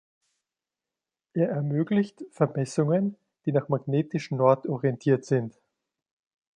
Er ermöglicht Vermessungen, die nach magnetisch Nord orientiert sind.